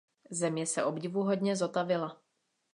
Země se obdivuhodně zotavila.